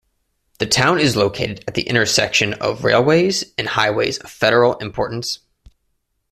The town is located at the intersection of railways and highways of federal importance.